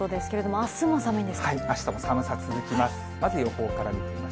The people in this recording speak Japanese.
あしたも寒さ続きます。